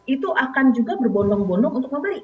itu akan juga berbondong bondong untuk membeli